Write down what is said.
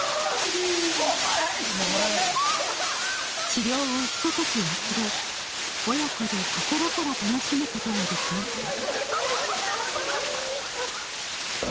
治療をひととき忘れ、親子で心から楽しむことができました。